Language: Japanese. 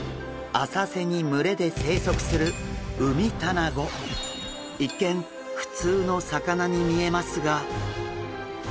浅瀬に群れで生息する一見普通の魚に見えますが。